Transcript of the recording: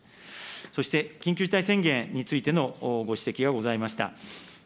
そして、緊急事態宣言についてのご指摘がございました。